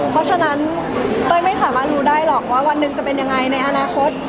เพราะฉะนั้นเต้ยไม่สามารถรู้ได้หรอกว่าวันหนึ่งจะเป็นยังไงในอนาคต